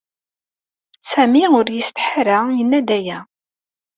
Sami ur yessetḥa ara, yenna-d aya.